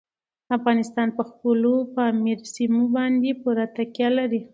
افغانستان په خپلو پامیر سیمو باندې پوره تکیه لري.